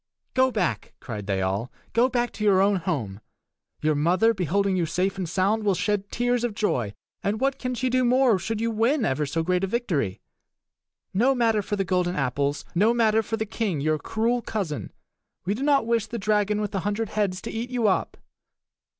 "Go back!" cried they all; "go back to your own home! Your mother, beholding you safe and sound, will shed tears of joy; and what can she do more should you win ever so great a victory? No matter for the golden apples! No matter for the king, your cruel cousin! We do not wish the dragon with the hundred heads to eat you up."